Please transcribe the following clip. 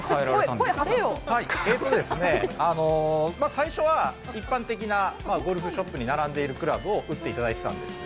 最初は一般的なゴルフショップに並んでいるクラブを打っていただいていたんです。